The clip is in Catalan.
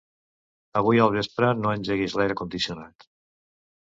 Avui al vespre no engeguis l'aire condicionat.